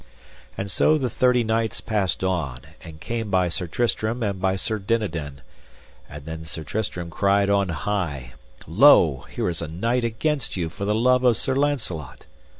And so the thirty knights passed on and came by Sir Tristram and by Sir Dinadan, and then Sir Tristram cried on high: Lo, here is a knight against you for the love of Sir Launcelot.